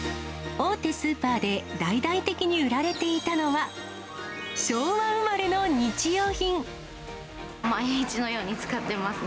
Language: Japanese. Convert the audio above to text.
大手スーパーで、大々的に売られていたのは、毎日のように使ってますね。